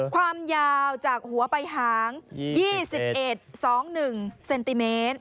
ความยาวจากหัวไปหาง๒๑๒๑เซนติเมตร